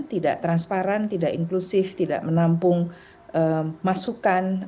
tidak transparan tidak inklusif tidak menampung masukan